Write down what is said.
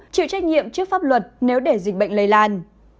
chịu trách nhiệm trước pháp luật nếu để dịch bệnh lây lan